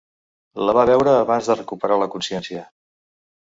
La va veure abans de recuperar la consciència.